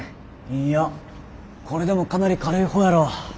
いやこれでもかなり軽い方やろ。